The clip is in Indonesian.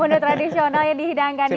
menurut tradisional yang dihidangkan di sana